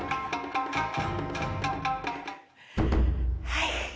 はい。